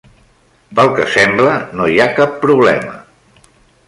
Pel que sembla, no hi ha cap problema.